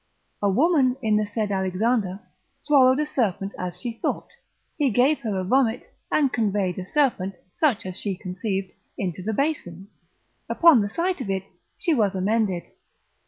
A woman, in the said Alexander, swallowed a serpent as she thought; he gave her a vomit, and conveyed a serpent, such as she conceived, into the basin; upon the sight of it she was amended.